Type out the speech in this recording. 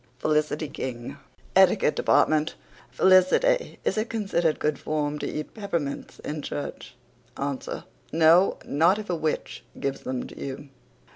FELICITY KING. ETIQUETTE DEPARTMENT F l t y. Is it considered good form to eat peppermints in church? Ans.; No, not if a witch gives them to you.